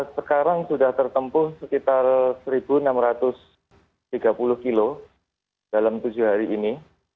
sekarang sudah tertempuh sekitar satu enam ratus tiga puluh kilo dalam tujuh hari ini